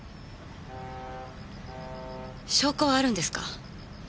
証拠はあるんですか？